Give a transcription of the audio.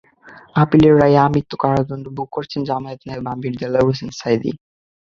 আপিলের রায়ে আমৃত্যু কারাদণ্ড ভোগ করছেন জামায়াতের নায়েবে আমির দেলাওয়ার হোসাইন সাঈদী।